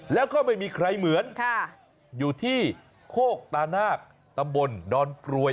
แล้วก็ไม่มีใครเหมือนอยู่ที่โคกตานาคตำบลดอนกรวย